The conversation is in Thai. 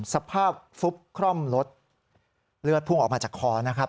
สภาพฟุบคร่อมรถเลือดพุ่งออกมาจากคอนะครับ